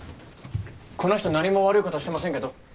この人何も悪いことしてませんけど。